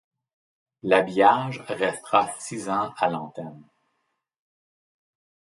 L'habillage restera six ans à l'antenne.